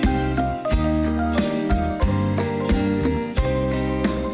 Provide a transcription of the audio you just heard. เสียงรัก